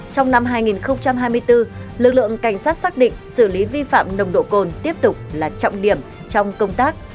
trong năm hai nghìn hai mươi bốn lực lượng cảnh sát xác định xử lý vi phạm nồng độ cồn tiếp tục là trọng điểm trong công tác